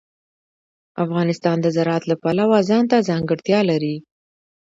افغانستان د زراعت له پلوه ځانته ځانګړتیا لري.